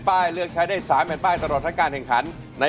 ป้ายเลือกใช้ได้๓แผ่นป้ายตลอดทั้งการแข่งขัน